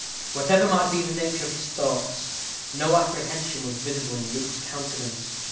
Whatever might be the nature of his thoughts, no apprehension was visible in Luke's countenance.